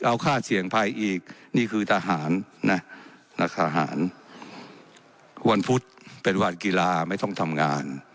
เอาค่าเสี่ยงภัยอีกนี่คือทหารนะนักทหารวันพุธเป็นวันกีฬาไม่ต้องทำงาน